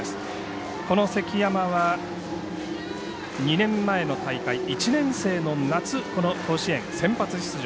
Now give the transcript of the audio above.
この関山は２年前の大会１年生の夏、この甲子園先発出場。